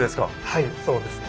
はいそうですね。